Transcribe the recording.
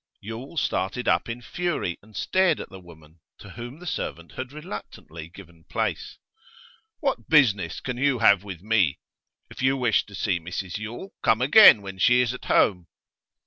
Yule started up in fury, and stared at the woman, to whom the servant had reluctantly given place. 'What business can you have with me? If you wish to see Mrs Yule, come again when she is at home.